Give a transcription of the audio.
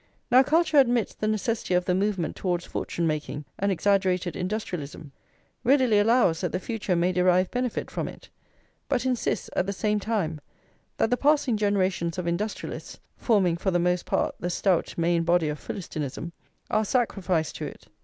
Now, culture admits the necessity of the movement towards fortune making and exaggerated industrialism, readily allows that the future may derive benefit from it; but insists, at the same time, that the passing generations of industrialists, forming, for the most part, the stout main body of Philistinism, are sacrificed to it.